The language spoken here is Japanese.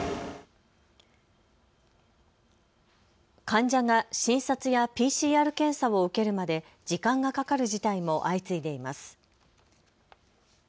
患者が診察やＰＣＲ検査を受けるまで時間がかかる事態も相次いでいます。